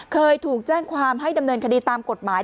เคยถูกแจ้งความให้ดำเนินคดีตามกฎหมาย